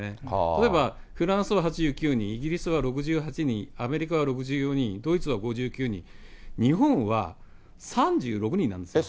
例えばフランスは８９人、イギリスは６８人、アメリカは６４人、ドイツは５９人、日本は３６人なんですね。